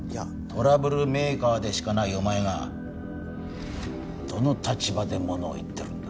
トラブルメーカーでしかないお前がどの立場でものを言ってるんだ？